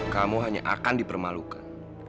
kamu hanya akan dipermalukan